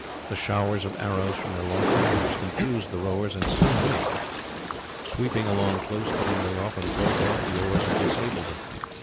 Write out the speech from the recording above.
The showers of arrows from their lofty poops confused the rowers and slew many. Sweeping along close to them they often broke off the oars and disabled them.